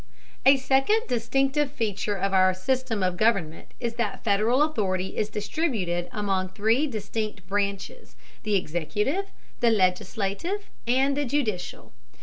A second distinctive feature of our system of government is that Federal authority is distributed among three distinct branches: the executive, the legislative, and the judicial.